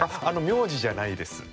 名字じゃないです。